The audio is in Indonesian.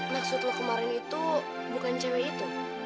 maksud lu kemarin itu bukan cewek itu